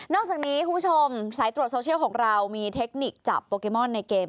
อกจากนี้คุณผู้ชมสายตรวจโซเชียลของเรามีเทคนิคจับโปเกมอนในเกม